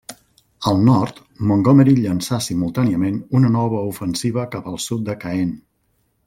Al nord, Montgomery llançà simultàniament una nova ofensiva cap al sud de Caen.